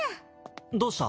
どうした？